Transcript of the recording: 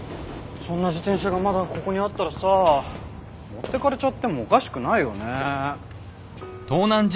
そんな自転車がまだここにあったらさ持って行かれちゃってもおかしくないよね？